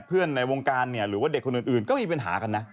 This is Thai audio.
ในวงการหรือว่าเด็กคนอื่นก็มีปัญหากันนะ